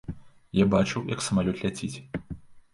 Я бачыў, як самалёт ляціць.